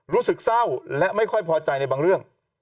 รู้สึกเศร้าและไม่ค่อยพอใจในบางเรื่อง